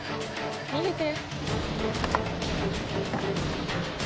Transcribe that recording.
逃げて。